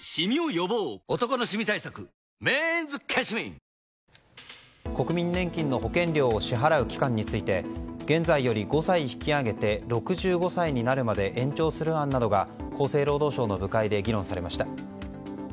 毎日コツコツからだのこと国民年金の保険料を支払う期間について現在より５歳引き上げて６５歳になるまで延長する案などが厚生労働省の部会で議論されました。